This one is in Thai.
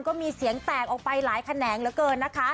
ก็มีเสียงแตกออกไปหลายแขนงเหลือเกินนะคะ